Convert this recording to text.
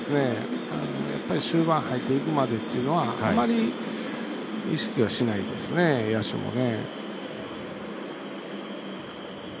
やっぱり終盤入っていくまでっていうのはあんまり意識はしないですね野手もね。